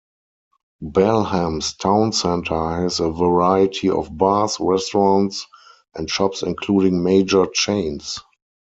Balham's town centre has a variety of bars, restaurants and shops including major chains.